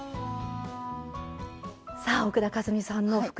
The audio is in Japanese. さあ奥田和美さんの副菜